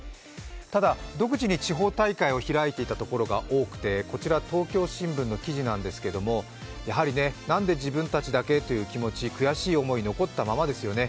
ただ、独自に地方大会を開いていたところが多くて、こちら、「東京新聞」の記事なんですけども、やはり、なんで自分たちだけという気持ち悔しい思い、残ったままですよね。